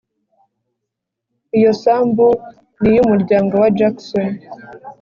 Iyo sambu ni iyumuryango wa Jackson